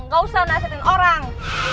gak usah nasetin orang